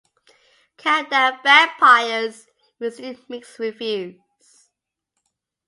"Countdown Vampires" received mixed reviews.